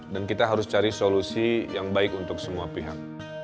dan kita harus cari solusi yang baik untuk semua pihak